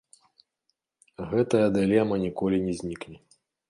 Гэтая дылема ніколі не знікне.